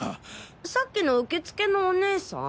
さっきの受付のお姉さん？